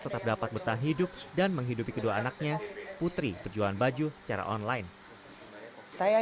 tetap dapat betah hidup dan menghidupi kedua anaknya putri berjualan baju secara online saya